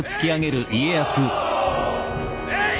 えい！